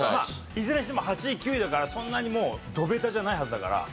いずれにしても８位９位だからそんなにもうドベタじゃないはずだから。